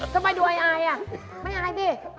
ของมันตอบอย่างนี้อาย